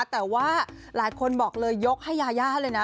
แต่ว่าหลายคนบอกเลยยกให้ยายาเลยนะ